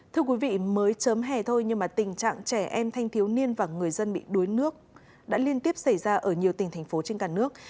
thưa quý vị mới trớm hè thôi nhưng mà tình trạng trẻ em thanh thiếu niên và người dân bị đuối nước đã liên tiếp xảy ra ở nhiều tỉnh thành phố trên cả nước